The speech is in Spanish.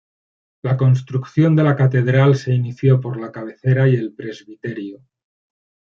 La construcción de la catedral se inició por la cabecera y el presbiterio.